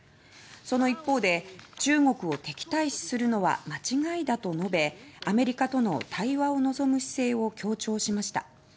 その一方で「中国を敵対視するのは間違いだ」と述べアメリカとの対話を望む姿勢を強調しました。